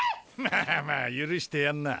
まあまあゆるしてやんな。